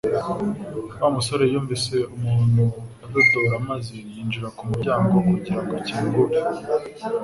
Wa musore yumvise umuntu adodora maze yinjira ku muryango kugira ngo akingure